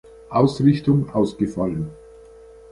Ausrichtung ausgefallen.